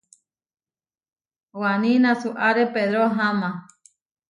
Waní nasuáre Pedró aháma.